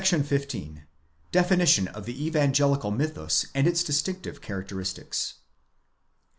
§ 15. DEFINITION OF THE EVANGELICAL MYTHUS AND ITS DISTINCTIVE CHARACTERISTICS.